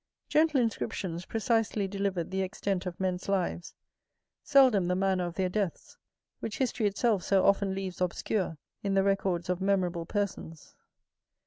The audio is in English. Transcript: Gentle inscriptions precisely delivered the extent of men's lives, seldom the manner of their deaths, which history itself so often leaves obscure in the records of memorable persons.